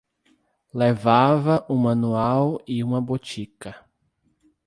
levava um Manual e uma botica.